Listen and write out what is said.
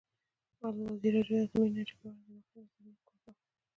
ازادي راډیو د اټومي انرژي په اړه د نقدي نظرونو کوربه وه.